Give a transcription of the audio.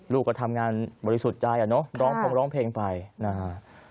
ลูกก็ทำงานบริสุทธิ์ได้อ่ะเนาะร้องเพลงไปนะฮะ